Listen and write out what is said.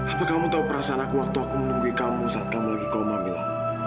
apa kamu tahu perasaan aku waktu aku menunggu kamu saat kamu lagi koma mila